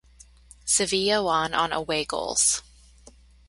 Sevilla won on away goals.